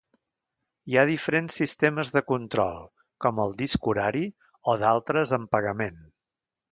Hi ha diferents sistemes de control, com el disc horari o d'altres amb pagament.